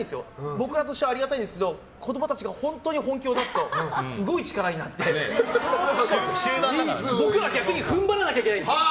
僕らとしてはありがたいんですけど子供たちが本当に本気を出すとすごい力になって僕ら、逆に踏んばらなきゃいけないんです。